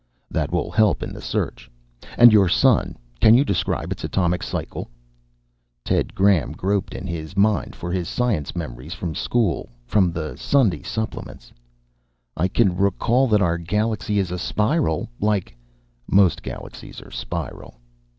"That will help in the search. And your sun can you describe its atomic cycle?" Ted Graham groped in his mind for his science memories from school, from the Sunday supplements. "I can recall that our galaxy is a spiral like " "Most galaxies are spiral."